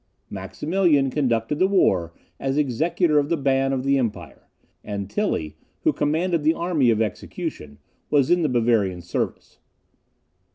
Maximilian conducted the war as executor of the ban of the empire, and Tilly, who commanded the army of execution, was in the Bavarian service.